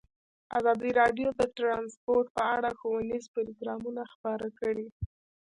ازادي راډیو د ترانسپورټ په اړه ښوونیز پروګرامونه خپاره کړي.